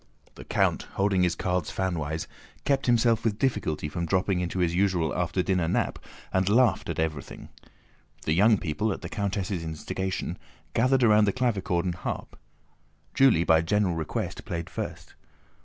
The count, holding his cards fanwise, kept himself with difficulty from dropping into his usual after dinner nap, and laughed at everything. The young people, at the countess' instigation, gathered round the clavichord and harp. Julie by general request played first.